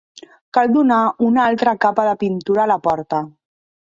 Cal donar una altra capa de pintura a la porta.